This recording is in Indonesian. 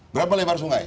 berapa lebar sungai